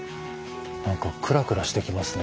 何かクラクラしてきますね。